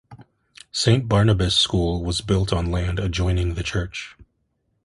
St Barnabas School was built on land adjoining the church.